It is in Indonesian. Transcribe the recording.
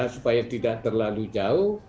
supaya tidak terlalu jauh